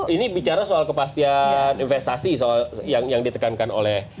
ini bicara soal kepastian investasi soal yang ditekankan oleh